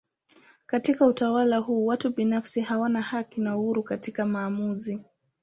Katika utawala huu watu binafsi hawana haki na uhuru katika maamuzi.